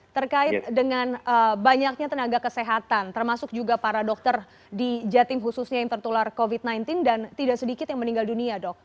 terkait dengan banyaknya tenaga kesehatan termasuk juga para dokter di jatim khususnya yang tertular covid sembilan belas dan tidak sedikit yang meninggal dunia dok